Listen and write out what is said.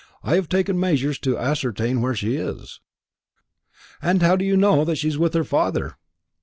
I have taken measures to ascertain where she is." "And how do you know that she is with her father?"